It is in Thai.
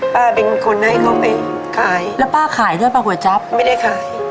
ป้าเป็นคนให้เขาไปขายแล้วป้าขายด้วยป้าก๋วยจั๊บไม่ได้ขาย